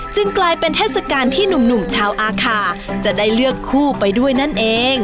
กลายเป็นเทศกาลที่หนุ่มชาวอาคาจะได้เลือกคู่ไปด้วยนั่นเอง